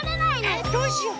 えっどうしよう。